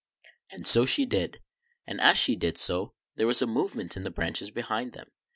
And so she did; and, as she did so, there was a move ment in the branches behind them.